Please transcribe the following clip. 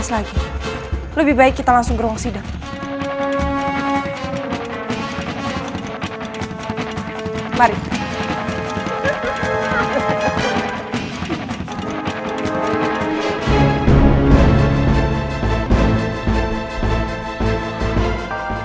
lalu bagaimana bisa yang deg deng mendapatkannya